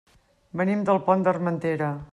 Venim del Pont d'Armentera.